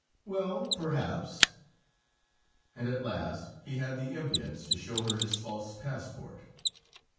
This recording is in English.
"Well, perhaps...." And at last, he had the impudence to show her his false passport.